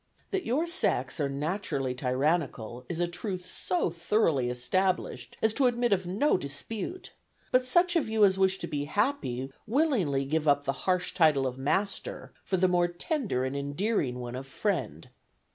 "That your sex are naturally tyrannical is a truth so thoroughly established as to admit of no dispute; but such of you as wish to be happy willingly give up the harsh title of master for the more tender and endearing one of friend.